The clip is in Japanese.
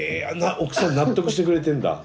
奥さん納得してくれてるんだ。